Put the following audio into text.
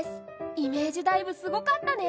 イメージダイブすごかったね。